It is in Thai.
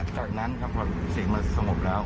จากนั้นครับพอเสียงมันสงบแล้ว